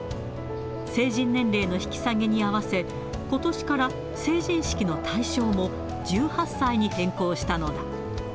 成人年齢の引き下げに合わせ、ことしから成人式の対象も１８歳に変更したのだ。